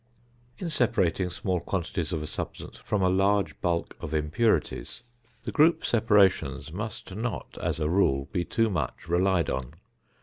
In separating small quantities of a substance from a large bulk of impurities, the group separations must not as a rule be too much relied on.